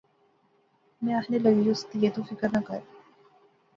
ما آخنے لاغیوس، تہئے تو فکر نہ کر